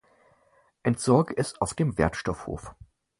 Entsorge es auf dem Wertstoffhof.